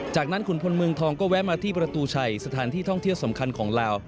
จากนั้นขุนพลเมืองทองก็แวะมาที่ประตูชัยสถานที่ท่องเที่ยวสำคัญของลาว